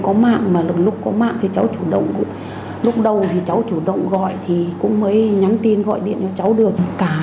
không có mạng mà lúc có mạng thì cháu chủ động lúc đầu thì cháu chủ động gọi thì cũng mới nhắn tin gọi điện cho cháu được